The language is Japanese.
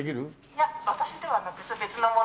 いや私ではなく別の者が。